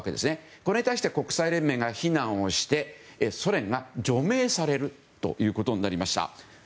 これに対して国際連盟が非難してソ連が除名されるということになりました。